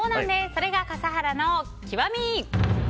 それが笠原の極み。